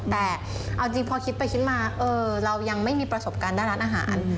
แต่เอาจริงพอคิดไปคิดมาเรายังไม่มีประสบการณ์ด้านร้านอาหาร